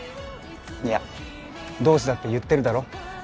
いや同志だって言ってるだろ